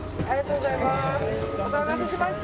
お騒がせしました。